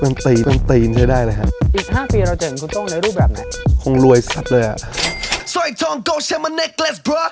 นี่เราเป็นคนควรตีนไหมเป็นคนตีนใช้ได้เลยฮะ